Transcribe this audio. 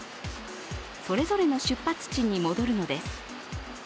それぞれの出発地に戻るのです。